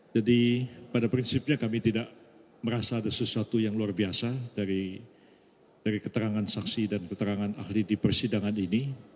jadi pada prinsipnya kami tidak merasa ada sesuatu yang luar biasa dari keterangan saksi dan keterangan ahli di persidangan ini